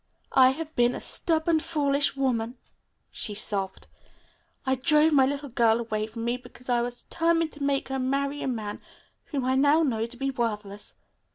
"I have been a stubborn, foolish woman," she sobbed. "I drove my little girl away from me because I was determined to make her marry a man whom I now know to be worthless.